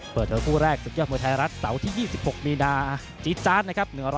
เปิดเจอคู่แรกศึกยอดมวยไทยรัฐเสาร์ที่๒๖มีนาจี๊จาดนะครับ